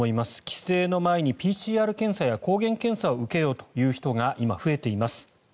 帰省の前にＰＣＲ検査や抗原検査を受けようという人が今、増えています。